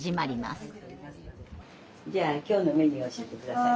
じゃあ今日のメニューを教えて下さい。